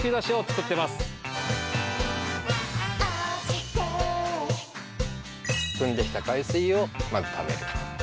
くんできた海水をまずためる。